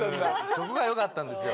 そこがよかったんですよ。